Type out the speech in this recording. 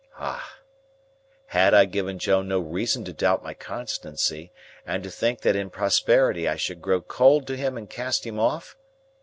Ah! Had I given Joe no reason to doubt my constancy, and to think that in prosperity I should grow cold to him and cast him off?